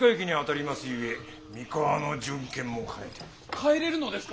帰れるのですか！？